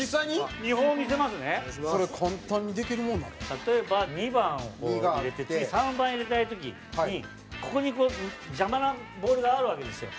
例えば２番を入れてて次３番入れたい時にここにこう邪魔なボールがあるわけですよ。